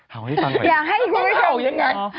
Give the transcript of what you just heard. หาวให้ฟังหน่อย